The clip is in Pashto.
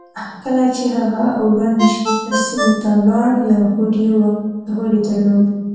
کله چې هغه اورنج سيمې ته ولاړ يو هوډ يې درلود.